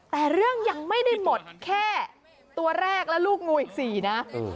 แต่เรื่องยังไม่ได้หมดแค่ตัวแรกและลูกงูอีก๔นะ